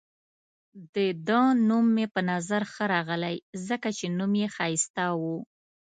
د ده نوم مې په نظر ښه راغلی، ځکه چې نوم يې ښایسته وو.